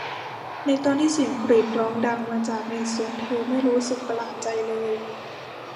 ในตอนที่เสียงกรีดร้องดังมาจากในสวนเธอไม่รู้สึกประหลาดใจเลย